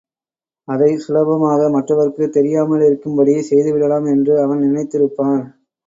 அதைச் சுலபமாக மற்றவருக்குத் தெரியாமலிருக்கும்படி செய்துவிடலாம் என்று அவன் நினைத்திருப்பான்.